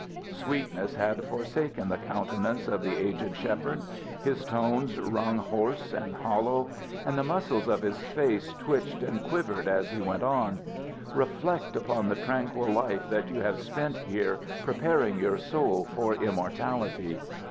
Sweetness had forsaken the countenance of the aged shepherd. His tones rung hoarse and hollow, and the muscles of his face twitched and quivered as he went on: "Reflect upon the tranquil life that you have spent here, preparing your soul for immortality.